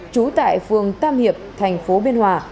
trú tại phường tam hiệp tp biên hòa